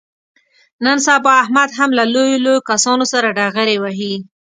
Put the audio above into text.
نن سبا احمد هم له لویو لویو کسانو سره ډغرې وهي.